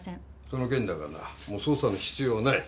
その件だがなもう捜査の必要はない。